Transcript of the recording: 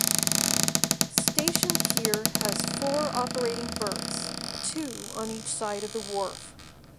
Station Pier has four operating berths, two on each side of the wharf.